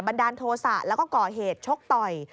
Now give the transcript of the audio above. ดาลโทษะแล้วก็ก่อเหตุชกต่อย